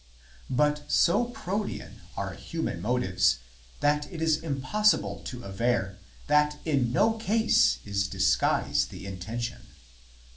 But so protean are human motives that it is impossible to aver that in no case is disguise the intention."